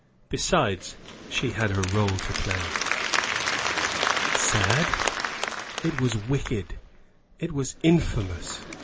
Besides, she had her role to play. "Sad? It was wicked it was infamous!"